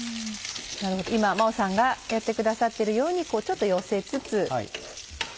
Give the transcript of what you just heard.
今真央さんがやってくださっているようにちょっと寄せつつ。